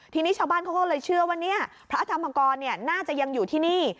ทีนี้ชาวบ้านเขาก็เลยเชื่อว่าพระธรรมกรน่าจะยังอยู่ที่นี่